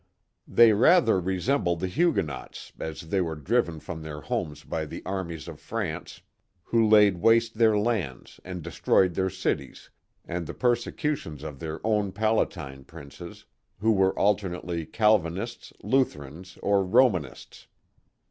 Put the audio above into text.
They rather resembled the Huguenots, as they were driven from their homes by the armies of France, who laid waste their lands and destroyed their cities, and the persecutions of their own Palatine princes, who were alternately Calvinists, Lutherans, or Romanists.